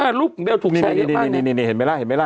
อ่ารูปเบลถูกนี่เห็นไหมล่ะเห็นไหมล่ะ